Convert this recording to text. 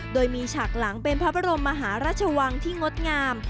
โดยมีฉากหลังเป็นพระบรมมหาราชวังที่งดงาม